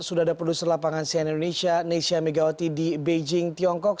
sudah ada produser lapangan sian indonesia nesya megawati di beijing tiongkok